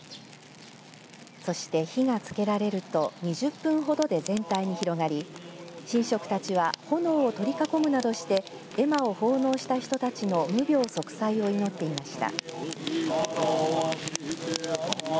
そして火がつけられると２０分ほどで全体に広がり神職たちは炎を取り囲むなどして絵馬を奉納した人たちの無病息災を祈っていました。